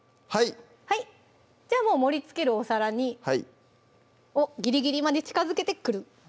はいじゃあもう盛りつけるお皿をギリギリまで近づけてクルン！